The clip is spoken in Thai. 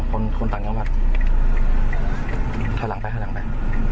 คนต่างกันมาข้างหลังไปข้างหลังไป